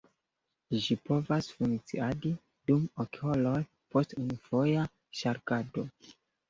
Ĝi povas funkciadi dum ok horoj post unufoja ŝargado.